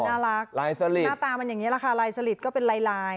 น่ารักลายสลิดหน้าตามันอย่างนี้แหละค่ะลายสลิดก็เป็นลายลาย